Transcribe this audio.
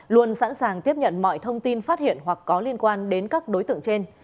luôn sẵn sàng tiếp nhận mọi thông tin phát hiện hoặc có liên quan đến các đối tượng trên